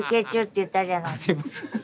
すいません。